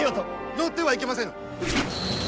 乗ってはいけませぬ！